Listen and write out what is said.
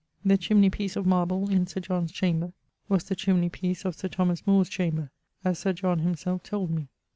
The chimney piece of marble in Sir John's chamber, was the chimney piece of Sir Thomas More's chamber, as Sir John himselfe told me.